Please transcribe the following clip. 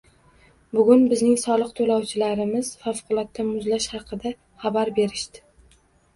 Bugun bizning soliq to'lovchilarimiz favqulodda muzlash haqida xabar berishdi